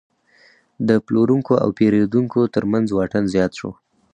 د پلورونکو او پیرودونکو ترمنځ واټن زیات شو.